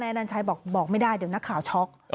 อนัญชัยบอกไม่ได้เดี๋ยวนักข่าวช็อก